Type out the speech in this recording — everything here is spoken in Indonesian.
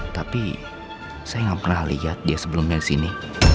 tapi saya gak pernah lihat dia sebelumnya disini